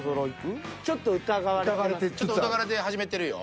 ちょっと疑われ始めてるよ。